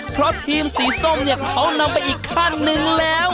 เพราะทีมสีส้มเนี่ยเขานำไปอีกขั้นหนึ่งแล้ว